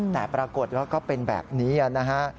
แต่ปรากฏว่าก็เป็นแบบนี้นะฮะ